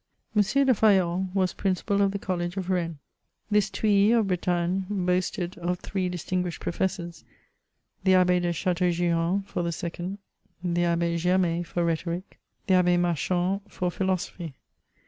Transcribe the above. M. de Fayolle was Principal of the College of Rennes. This " Tuilly" of Bretagne hoasted of three distinguished pro fessors, the Ahh^ de Chateaugiron for the second ; the Ahh^ Germ^ for rhetoric; the Abb^ Marcband for philosophy.